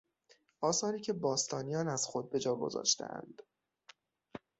آثاری که باستانیان از خود به جا گذاشتهاند